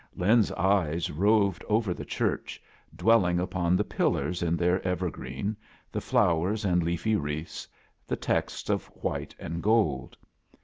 Lin's eyes roved over the church, dwelling upon the pillars in their evergreen, the flowers and leafy wreaths, the texts of white and gold.